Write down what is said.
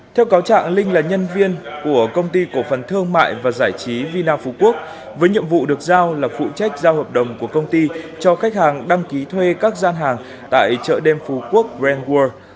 theo cáo trạng linh là nhân viên của công ty cổ phần thương mại và giải trí vina phú quốc với nhiệm vụ được giao là phụ trách giao hợp đồng của công ty cho khách hàng đăng ký thuê các gian hàng tại chợ đêm phú quốc brand world